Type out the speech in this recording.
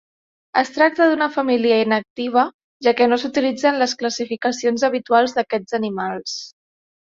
Es tracta d'una família inactiva, ja que no s'utilitza en les classificacions habituals d'aquests animals.